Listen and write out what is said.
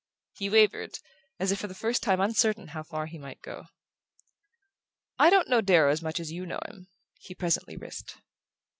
He wavered, as if for the first time uncertain how far he might go. "I don't know Darrow as much as you know him," he presently risked.